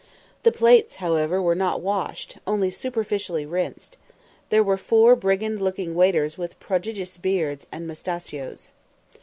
The plates, however, were not washed, only superficially rinsed. There were four brigand looking waiters with prodigious beards and moustachios.